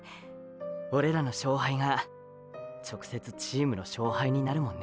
オレらの勝敗が直接チームの勝敗になるもんね。